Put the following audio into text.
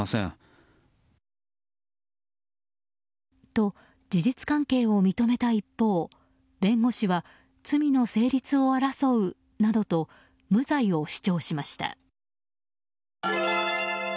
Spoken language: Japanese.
と、事実関係を認めた一方弁護士は、罪の成立を争うなどと無罪を主張しました。